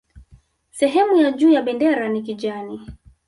Sehemu ya juu ya bendera ni kijani